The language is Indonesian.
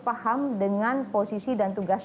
paham dengan posisi dan tugas